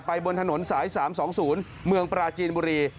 บนถนนสาย๓๒๐เมืองปราจีนบุรี